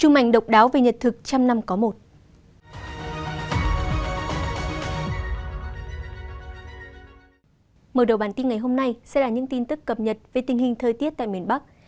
mở đầu bản tin ngày hôm nay sẽ là những tin tức cập nhật về tình hình thời tiết tại miền bắc